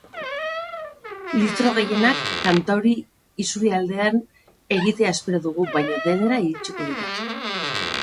Litro gehienak kantauri isurialdean egitea espero dugu baina denera iritsiko dira.